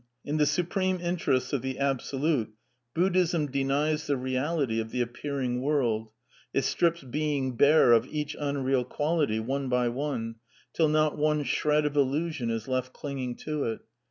In the supreme interests of the Absolute, Buddhism denies the reality of the appear ing world ; it strips Being bare of each unreal quality one by one, till not one shred of illusion is left clinging to it.